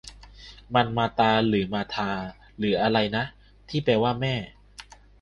มัน มาตา หรือ มาธา หรืออะไรนะ ที่แปลว่า แม่